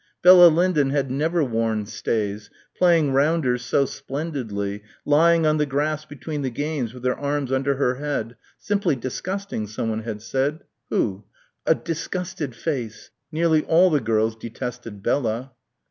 Bella Lyndon had never worn stays; playing rounders so splendidly, lying on the grass between the games with her arms under her head ... simply disgusting, someone had said ... who ... a disgusted face ... nearly all the girls detested Bella.